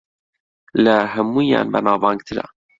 لە ھەموویان بەناوبانگترە